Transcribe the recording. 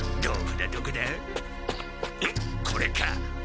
むっこれか！